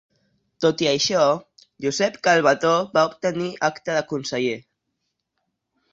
Tot i això, Josep Calbetó va obtenir acta de conseller.